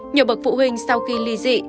nhiều bậc phụ huynh sau khi ly dị